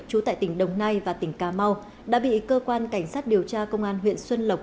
trú tại tỉnh đồng nai và tỉnh cà mau đã bị cơ quan cảnh sát điều tra công an huyện xuân lộc